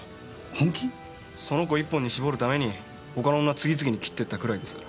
その子一本に絞るために他の女次々に切っていったくらいですから。